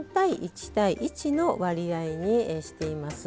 ４：１：１の割合にしています。